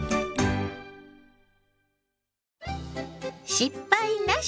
「失敗なし！